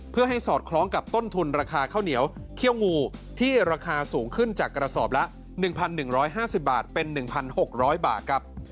เพื่อให้สอดคล้องกับต้นทุนราคาข้าวเหนียวเคี้ยวงูที่ราคาสูงขึ้นจากกระทบละหนึ่งพันหนึ่งร้อยห้าสิบบาทเป็นหนึ่งพันหกร้อยบาทครับ